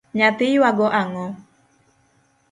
Nyathi ywago ang’o?